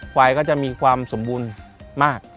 ควายก็จะมีความสมบูรณ์มาก